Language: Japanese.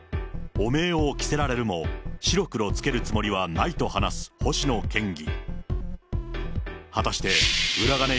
汚名を着せられるも、白黒つけるつもりはないと話す星野県議。